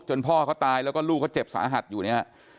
พ่อเขาตายแล้วก็ลูกเขาเจ็บสาหัสอยู่เนี่ย